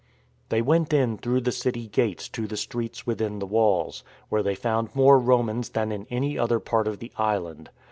They went in through the city gates to the streets within the walls, where they found more Romans than in any other part of the island.